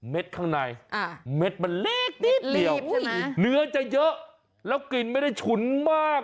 ข้างในเม็ดมันเล็กนิดเดียวเนื้อจะเยอะแล้วกลิ่นไม่ได้ฉุนมาก